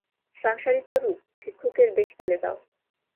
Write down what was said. সংসারিত্ব-রূপ ভিক্ষুকের বেশ ফেলে দাও।